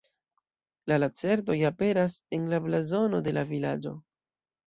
La lacertoj aperas en la blazono de la vilaĝo.